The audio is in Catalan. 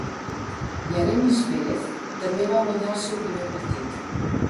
Yaremis Pérez també va guanyar el seu primer partit.